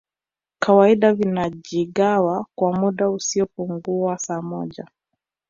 kawaida vinajigawa kwa muda usiopungua saa moja